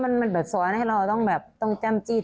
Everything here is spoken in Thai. มันแบบสอนให้เราต้องแบบต้องแจ้มจิ้น